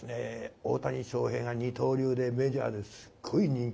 大谷翔平が二刀流でメジャーですごい人気。